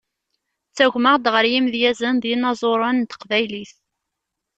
Ttagmaɣ-d ɣer yimedyazen d yinaẓuren n Teqbaylit.